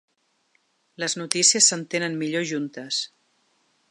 Les notícies s'entenen millor juntes.